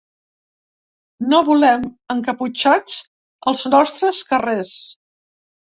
No volem encaputxats als nostres carrers.